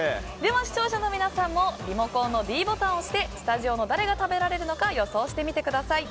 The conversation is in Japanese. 視聴者の皆さんもリモコンのｄボタンを押してスタジオの誰が食べられるのか予想してみてください。